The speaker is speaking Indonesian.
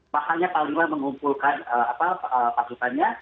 bahannya pak limandai mengumpulkan pasukannya